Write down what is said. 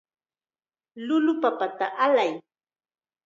Llullu papata allay.